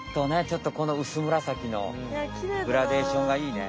ちょっとこのうすむらさきのグラデーションがいいね。